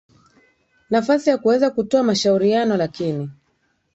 nafasi ya kuweza kutoa mashauriano lakini